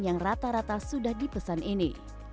yang rata rata sudah dipesan ini